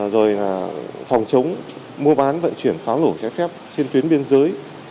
rồi phòng chống mua bán vận chuyển pháo lổ trái phép trên tuyến biên giới